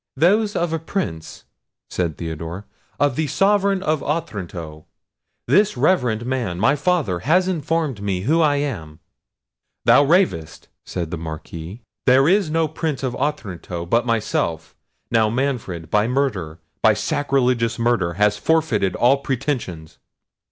"Those of a Prince," said Theodore; "of the sovereign of Otranto. This reverend man, my father, has informed me who I am." "Thou ravest," said the Marquis. "There is no Prince of Otranto but myself, now Manfred, by murder, by sacrilegious murder, has forfeited all pretensions."